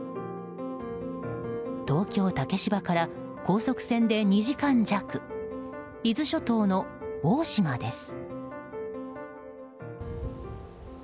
東京・竹芝から高速船で２時間弱伊豆諸島の大島です。